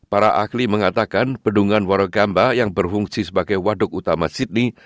para ahli mengatakan pendungan waragamba yang berfungsi sebagai waduk utama sydney